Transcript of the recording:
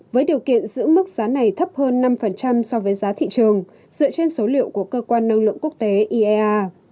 với điều kiện giữ mức giá này thấp hơn năm so với giá thị trường dựa trên số liệu của cơ quan năng lượng quốc tế iea